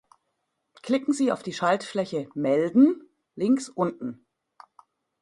Klicken Sie auf die Schaltfläche "Melden" links unten.